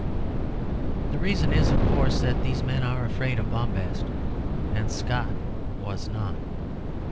The reason is, of course, that these men are afraid of bombast and Scott was not.